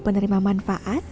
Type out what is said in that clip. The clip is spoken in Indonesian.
penerima manfaat secara bertahap